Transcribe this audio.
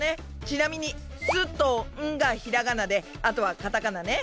ちなみに「す」と「ん」がひらがなであとはカタカナね。